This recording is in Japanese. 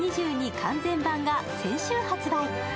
完全版」が先週発売。